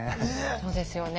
そうですね。